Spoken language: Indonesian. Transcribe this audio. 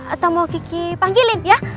atau mau kiki panggilin ya